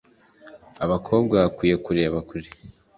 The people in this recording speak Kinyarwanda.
Abakobwa bakwiye kureba kure